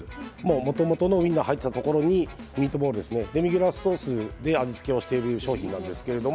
もともとのウインナーが入っていたところにミートボール、デミグラスソースで味つけをしている商品です。